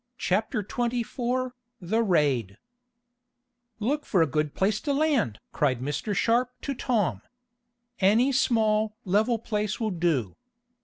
Chapter 24 The Raid "Look for a good place to land!" cried Mr. Sharp to Tom. "Any small, level place will do.